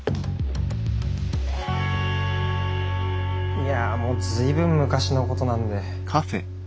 いやもう随分昔のことなんで。